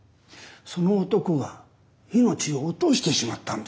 その男が命を落としてしまったんです。